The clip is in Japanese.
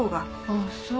あっそう？